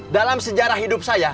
dalam sejarah hidup saya